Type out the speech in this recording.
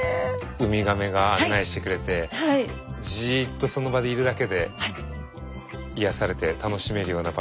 ウミガメが案内してくれてじっとその場にいるだけで癒やされて楽しめるような場所だなというふうに思いました。